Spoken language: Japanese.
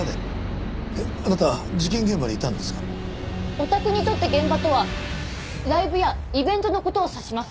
オタクにとって「現場」とはライブやイベントの事を指します。